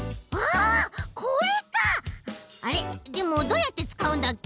でもどうやってつかうんだっけ？